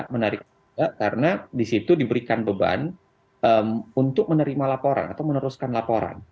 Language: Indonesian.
menarik juga karena di situ diberikan beban untuk menerima laporan atau meneruskan laporan